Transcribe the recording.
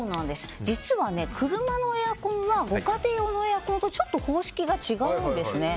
実は、車のエアコンはご家庭用のエアコンとちょっと方式が違うんですね。